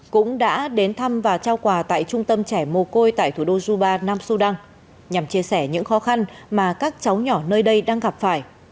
cũng đã đến thăm và trao quà tại trung tâm trẻ mô côi tại thủ đô juba nam su đăng nhằm chia sẻ những khó khăn mà các cháu nhỏ nơi đây đang gặp phải